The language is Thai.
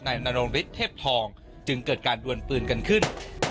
นโรงฤทธิเทพทองจึงเกิดการดวนปืนกันขึ้น